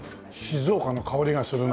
静岡の薫りがするな。